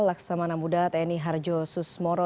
laksamana muda tni harjo susmoro